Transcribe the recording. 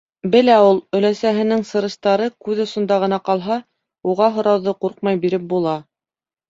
Белә ул: өләсәһенең сырыштары күҙ осонда ғына ҡалһа, уға һорауҙы ҡурҡмай биреп була.